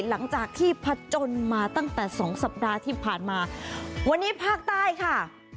หลังจากที่ผจญมาตั้งแต่สองสัปดาห์ที่ผ่านมาวันนี้ภาคใต้ค่ะ